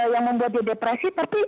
yang membuat dia depresi tapi